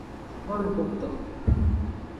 Boluxoto.